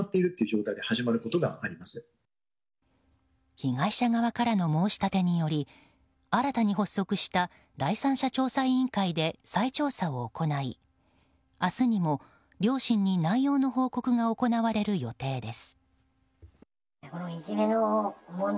被害者側からの申し立てにより新たに発足した第三者調査委員会で再調査を行い明日にも両親に内容の報告が行われる予定です。